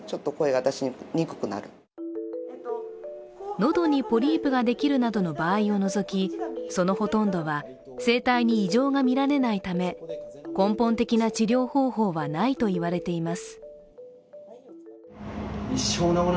喉にポリープができるなどの場合を除きそのほとんどは声帯に異常が見られないため、根本的な治療方法はないと言われています。